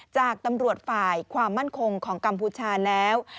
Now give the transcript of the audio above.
จากตำรวจฝ่ายความมั่นคงของกัมพูชาแล้ว